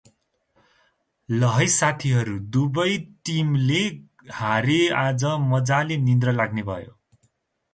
ल है साथी हरु दुबै टिमले हारे आज मजाले निद्रा लाग्ने भो ।